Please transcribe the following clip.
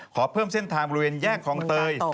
ขอเพิ่มเส้นทางบริเวณแยกคลองเตย